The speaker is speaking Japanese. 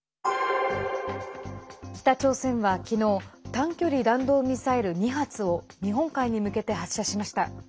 北朝鮮は昨日短距離弾道ミサイル２発を日本海に向けて発射しました。